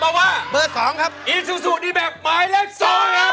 ตัวช่วยจากอีซูซูดีแม็กซ์นะครับ